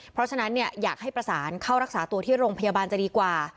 เพราะฉะนั้นอยากให้ประสานเข้ารักษาตัวที่โรงพยาบาลจะดีกว่า